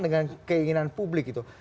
dengan keinginan publik gitu